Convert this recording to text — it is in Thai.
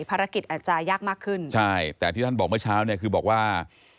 อาจจะยากมากขึ้นใช่แต่ที่ท่านบอกเมื่อเช้าเนี่ยคือบอกว่า